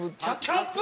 キャップ？